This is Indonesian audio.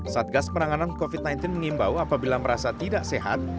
satgas penanganan covid sembilan belas mengimbau apabila merasa tidak sehat